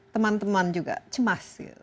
teman teman juga cemas